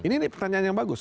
ini pertanyaan yang bagus